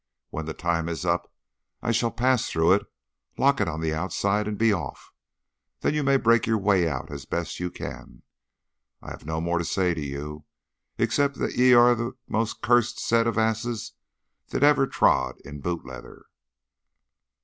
When the time is up I shall pass through it, lock it on the outside, and be off. Then you may break your way out as best you can. I have no more to say to you, except that ye are the most cursed set of asses that ever trod in boot leather."